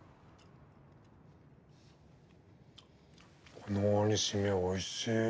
このお煮しめおいしい。